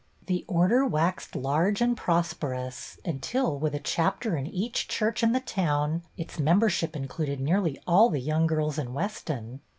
The Order waxed large and prosperous until, with a chapter in each church in the town, its membership included nearly all the young girls in Weston.